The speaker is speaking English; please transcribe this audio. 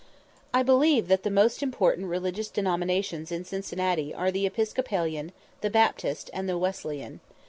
I believe that the most important religious denominations in Cincinnati are the Episcopalian, the Baptist, and the Wesleyan.